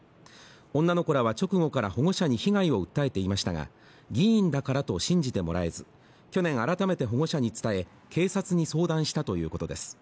女の子らは直後から保護者に被害を訴えていましたが議員だからと信じてもらえず去年改めて保護者に伝え警察に相談したということです